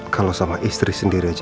kalau sama istri sendiri aja